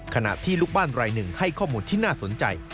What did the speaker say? ขณะที่ลูกบ้านรายหนึ่งให้ข้อมูลที่น่าสนใจ